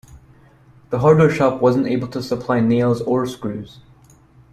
The hardware shop wasn't able to supply nails or screws.